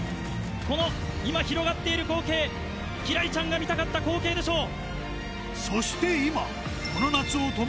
この今広がっている光景輝星ちゃんが見たかった光景でしょう。